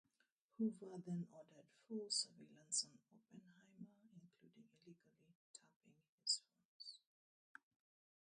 Hoover then ordered full surveillance on Oppenheimer, including illegally tapping his phones.